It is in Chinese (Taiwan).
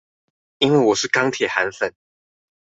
因為我是鋼鐵韓粉